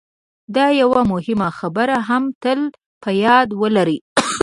دا یوه مهمه خبره هم تل په یاد ولرئ